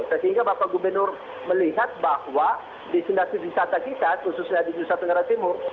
sehingga bapak gubernur melihat bahwa destinasi wisata kita khususnya di nusa tenggara timur